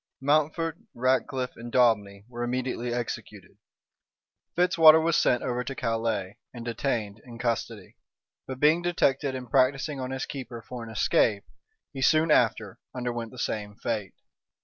Mountfort, Ratcliff, and Daubeney were immediately executed: Fitzwater was sent over to Calais, and detained in custody; but being detected in practising on his keeper for an escape, he soon after underwent the same fate.